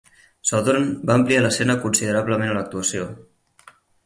Sothern va ampliar l'escena considerablement a l'actuació.